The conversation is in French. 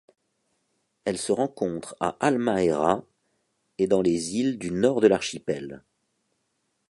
Elle se rencontre à Halmahera et dans les îles du Nord de l'archipel.